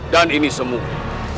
dan ini semua